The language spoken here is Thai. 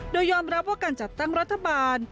โดยยอมรับว่าการจัดตั้งรัฐบาล